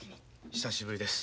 久しぶりです